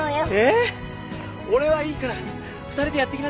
俺はいいから２人でやってきなさいよ。